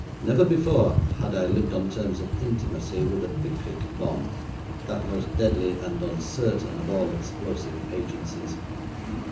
Never before had I lived on terms of intimacy with a picric bomb, that most deadly and uncertain of all explosive agencies.